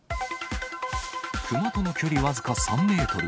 クマとの距離僅か３メートル。